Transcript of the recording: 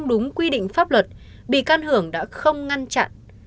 định pháp luật bị can hưởng đã không ngăn chặn